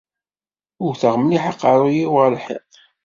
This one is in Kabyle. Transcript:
Wteɣ mliḥ aqerru-iw ɣer lḥiḍ.